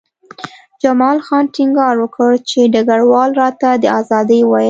جمال خان ټینګار وکړ چې ډګروال راته د ازادۍ وویل